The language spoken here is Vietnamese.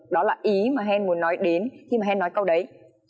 đó là ý mà hèn muốn nói đến khi mà hèn nói câu đấy